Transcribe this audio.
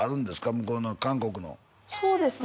向こうの韓国のそうですね